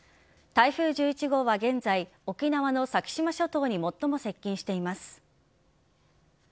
台風１１号は現在沖縄の先島諸島に最も接近しています。